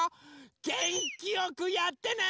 げんきよくやってね！